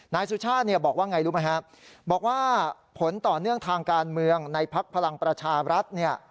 นายสุชาติบอกว่าไงบอกว่าผลต่อเนื่องทางการเมืองในภักดิ์ภลังประชาบรัฐ